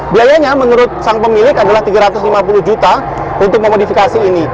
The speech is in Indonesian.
biayanya menurut sang pemilik adalah rp tiga ratus lima puluh juta untuk memodifikasi ini